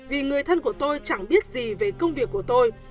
vì người thân của tôi chẳng biết gì về công việc của tôi